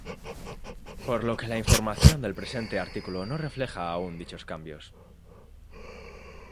Por lo que la información del presente artículo no refleja aún dichos cambios.